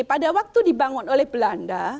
pada waktu dibangun oleh belanda